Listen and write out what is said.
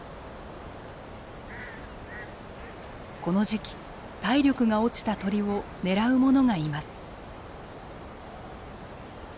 この時期体力が落ちた鳥を狙う者がいます。